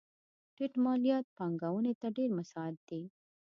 ټیټ مالیات پانګونې ته ډېر مساعد دي.